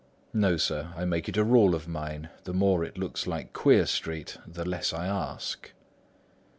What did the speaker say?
No sir, I make it a rule of mine: the more it looks like Queer Street, the less I ask."